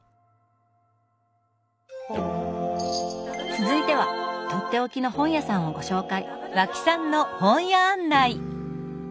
続いてはとっておきの本屋さんをご紹介。